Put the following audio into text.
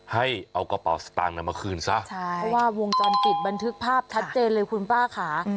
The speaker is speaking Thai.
ให้เอากระเป๋าสตางค์มาคืนซะใช่เพราะว่าวงจรปิดบันทึกภาพชัดเจนเลยคุณป้าค่ะ